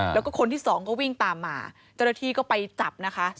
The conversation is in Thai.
แล้วก็คนที่สองก็วิ่งตามมาเจ้าหน้าที่ก็ไปจับนะคะ